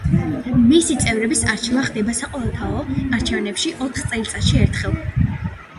მისი წევრების არჩევა ხდება საყოველთაო არჩევნებში ოთხ წელიწადში ერთხელ.